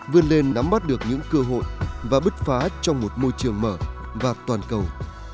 vươn lên nắm bắt được những cơ hội và bứt phá trong một môi trường mở và toàn cầu